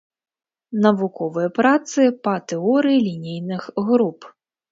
Навуковыя працы па тэорыі лінейных груп.